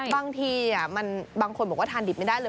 บางทีบางคนบอกว่าทานดิบไม่ได้เลย